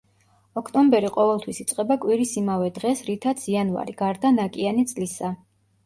ოქტომბერი ყოველთვის იწყება კვირის იმავე დღეს, რითაც იანვარი, გარდა ნაკიანი წლისა.